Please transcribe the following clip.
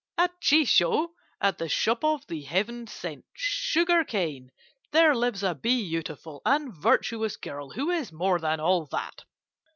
"At Chee Chou, at the shop of 'The Heaven sent Sugar cane,' there lives a beautiful and virtuous girl who is more than all that.